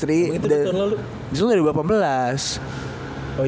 itu dari tahun lalu